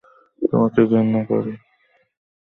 তোমাকে ঘেন্না করি।